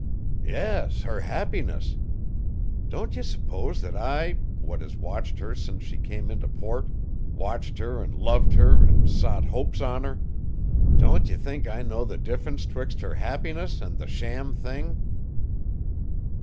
"Yes. Her happiness! Don't ye s'pose that I, what has watched her since she came int' port, watched her an' loved her, an' sot hopes on her, don't ye think I know the difference 'twixt her happiness an' the sham thing?"